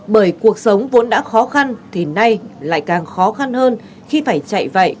bởi cuộc sống vốn đã khó khăn thì nay lại càng khó khăn hơn khi phải chạy vậy